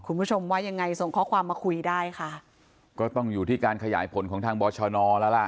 คุณผู้ชมว่ายังไงส่งข้อความมาคุยได้ค่ะก็ต้องอยู่ที่การขยายผลของทางบอชนแล้วล่ะ